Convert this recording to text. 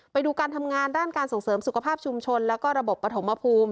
ไปดูการทำงานด้านการส่งเสริมสุขภาพชุมชนแล้วก็ระบบปฐมภูมิ